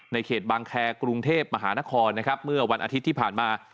เขตบางแคร์กรุงเทพมหานครนะครับเมื่อวันอาทิตย์ที่ผ่านมา